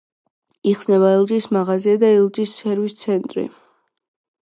იხსნება ელჯის მაღაზია და ელჯის სერვის ცენტრი.